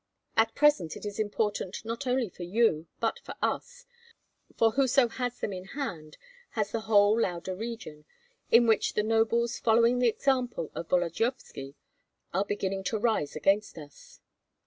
At present it is important, not only for you, but for us; for whoso has them in hand has the whole Lauda region, in which the nobles, following the example of Volodyovski, are beginning to rise against us.